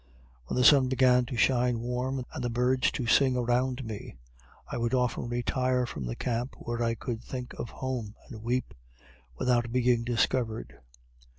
When the sun began to shine warm, and the birds to sing around me, I would often retire from the camp where I could think of home, and weep, without being discovered.